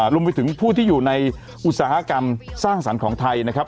รวมไปถึงผู้ที่อยู่ในอุตสาหกรรมสร้างสรรค์ของไทยนะครับ